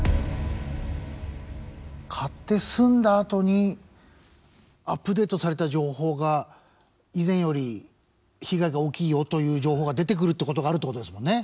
買って住んだあとにアップデートされた情報が以前より被害が大きいよという情報が出てくるってことがあるってことですもんね。